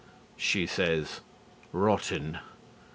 She says, rotten.